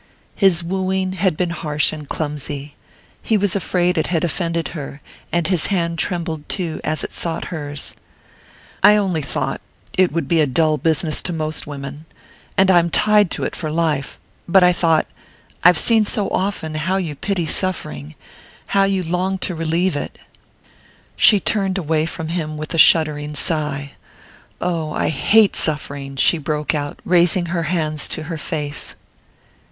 His wooing had been harsh and clumsy he was afraid it had offended her, and his hand trembled too as it sought hers. "I only thought it would be a dull business to most women and I'm tied to it for life...but I thought...I've seen so often how you pity suffering...how you long to relieve it...." She turned away from him with a shuddering sigh. "Oh, I hate suffering!" she broke out, raising her hands to her face.